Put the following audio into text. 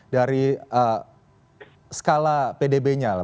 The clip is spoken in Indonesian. dari skala pdb nya lah